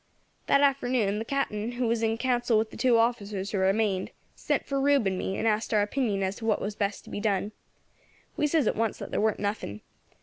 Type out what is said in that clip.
"That afternoon the Captain, who was in council with the two officers who remained, sent for Rube and me, and asked us our opinion as to what was best to be done. We says at once that there weren't nothing.